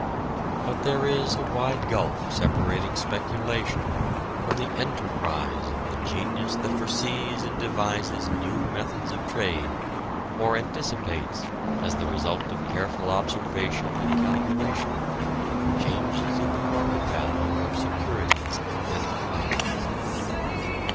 But there is a wide gulf separating speculation from the enterprise of the genius that foresees and devises new methods of trade, or anticipates, as the result of careful observation and calculation, changes in the market value of securities and commodities.